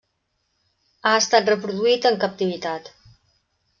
Ha estat reproduït en captivitat.